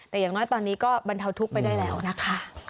แต่อย่างน้อยตอนนี้ก็บรรเทาทุกข์ไปได้แล้วนะคะ